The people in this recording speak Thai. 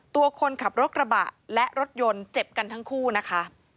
ตัวคนขับรถกระบะและรถยนต์เจ็บกันทั้งคู่นะคะ